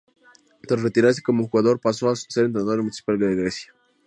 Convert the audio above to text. Tras retirarse como jugador pasó a ser entrenador del Municipal Grecia.